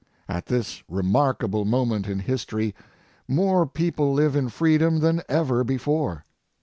At this remarkable moment in history, more people live in freedom than ever before.